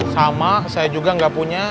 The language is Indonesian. sama saya juga nggak punya